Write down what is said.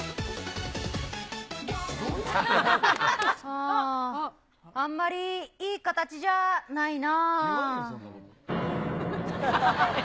あー、あんまりいい形じゃないな。